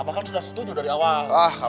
bahkan sudah setuju dari awal